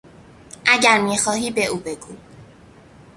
اگر میخواهی به او بگو.